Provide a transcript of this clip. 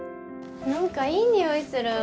何かいい匂いする。